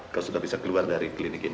kalau sudah bisa keluar dari klinik ini